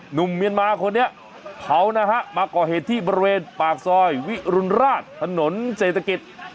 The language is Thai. หนุ่มเมียนมาคนนี้เขานะฮะมาก่อเหตุที่บริเวณปากซอยวิรุณราชถนนเศรษฐกิจ